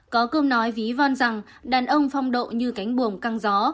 có cương nói ví von rằng đàn ông phong độ như cánh buồng căng gió